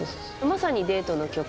まさにデートの曲。